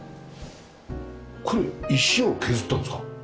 これ石を削ったんですか？